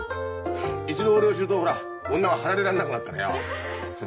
一度俺を知るとほら女は離れられなくなっからよ。